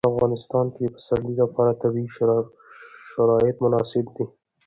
په افغانستان کې د پسرلی لپاره طبیعي شرایط مناسب دي.